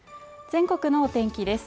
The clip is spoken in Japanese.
全国のお天気です